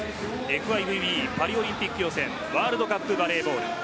ＦＩＶＢパリオリンピック予選ワールドカップバレーボール。